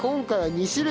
２種類？